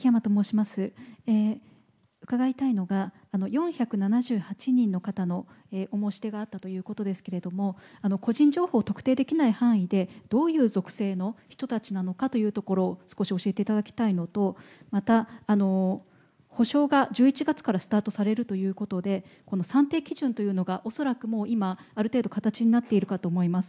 伺いたいのが、４７８人の方のお申し出があったということですけれども、個人情報特定できない範囲で、どういう属性の人たちなのかというところを少し教えていただきたいのと、また、補償が１１月からスタートされるということで、この算定基準というのが、恐らくもう今、ある程度形になっているかと思います。